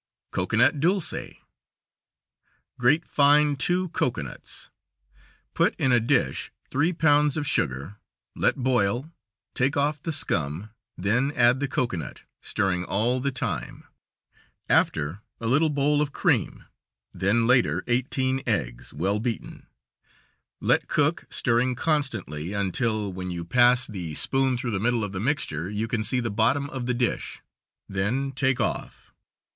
Cocoanut dulce: Grate fine two cocoanuts. Put in a dish three pounds of sugar, let boil, take off the scum, then add the cocoanut, stirring all the time. After a little a bowl of cream, then later eighteen eggs, well beaten. Let cook, stirring constantly, until, when you pass the spoon through the middle of the mixture, you can see the bottom of the dish; then take off.